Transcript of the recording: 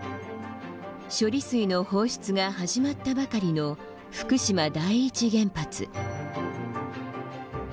処理水の放出が始まったばかりの福島第一原発。